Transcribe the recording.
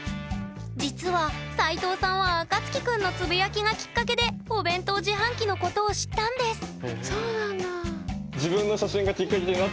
実は斎藤さんはあかつき君のつぶやきがきっかけでお弁当自販機のことを知ったんですそうなんだ。